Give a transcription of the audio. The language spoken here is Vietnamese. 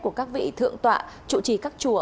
của các vị thượng tọa chủ trì các chùa